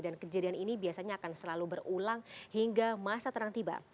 dan kejadian ini biasanya akan selalu berulang hingga masa terang tiba